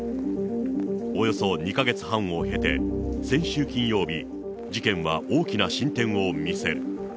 およそ２か月半を経て、先週金曜日、事件は大きな進展を見せる。